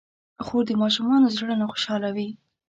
خور د ماشومانو زړونه خوشحالوي.